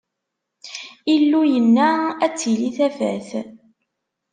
Illu yenna: Ad d-tili tafat!